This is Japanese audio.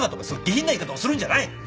下品な言い方をするんじゃない！